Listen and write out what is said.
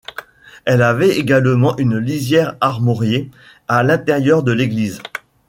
Elle avait également une lisière armoriée à l'intérieur de l'église.